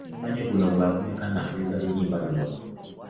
Simanyi guno mulundi gw'akumeka nga mpuliriza luno oluyimba ?